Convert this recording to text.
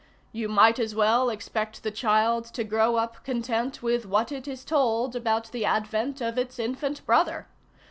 You might as well expect the child to grow up content with what it is told about the advent of its infant brother.